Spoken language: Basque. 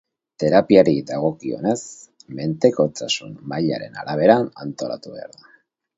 Terapiari dagokionez, mendekotasun mailaren arabera antolatu behar da.